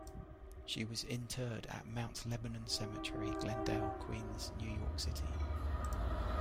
She was interred at Mount Lebanon Cemetery, Glendale, Queens, New York City.